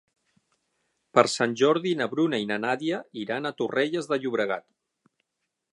Per Sant Jordi na Bruna i na Nàdia iran a Torrelles de Llobregat.